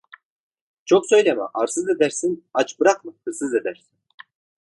Çok söyleme arsız edersin, aç bırakma hırsız edersin…